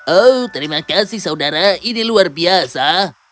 oh terima kasih saudara ini luar biasa